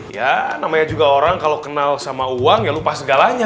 ya namanya juga orang kalau kenal sama uang ya lupa segalanya